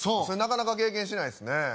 それなかなか経験しないですね